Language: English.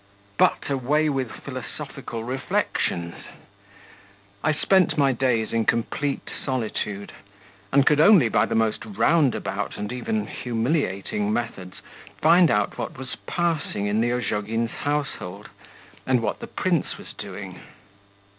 ... But, away with philosophical reflections.... I spent my days in complete solitude, and could only by the most roundabout and even humiliating methods find out what was passing in the Ozhogins' household, and what the prince was doing.